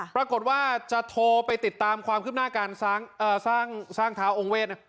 ปรากฏว่าจะโทรไปติดตามความคืบหน้าการสร้างเท้าองค์เวท